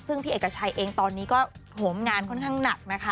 ซึ่งพี่เอกชัยเองตอนนี้ก็โหมงานค่อนข้างหนักนะคะ